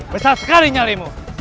besar sekali nyarimu